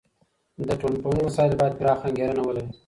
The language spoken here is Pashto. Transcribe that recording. د ټولنپوهني مسایل باید پراخه انګیرنه ولري.